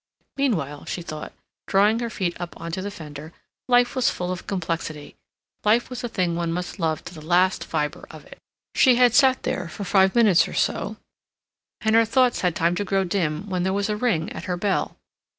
Meanwhile, she thought, drawing her feet up on to the fender, life was full of complexity; life was a thing one must love to the last fiber of it. She had sat there for five minutes or so, and her thoughts had had time to grow dim, when there came a ring at her bell.